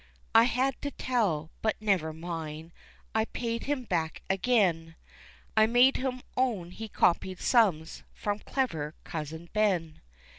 I had to tell, but never mind, I paid him back again, I made him own he copied sums from clever cousin Ben.